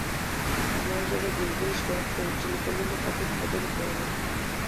زما ژبه ګونګۍ شوه، خو تلیفوني مخاطب خبرې کولې.